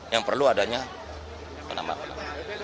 yang perlu adanya penambah penambah